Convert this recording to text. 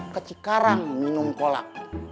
kecikaran minum kolak